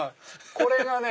これがね